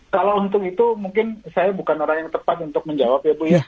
kalau untuk itu mungkin saya bukan orang yang tepat untuk menjawab ya bu ya